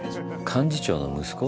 幹事長の息子？